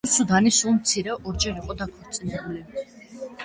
რუსუდანი სულ მცირე ორჯერ იყო დაქორწინებული.